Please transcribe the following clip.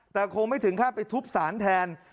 แต่คงไม่ถึงขั้นไปทุบสารแทน